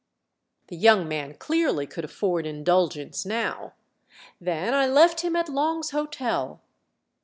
The young man clearly could afford indulgence now. "Then I left him at Long's Hotel."